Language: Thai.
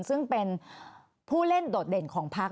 ซึ่งเป็นผู้เล่นโดดเด่นของพัก